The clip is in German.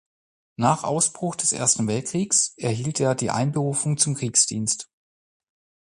Nach Ausbruch des Ersten Weltkrieges erhielt er die Einberufung zum Kriegsdienst.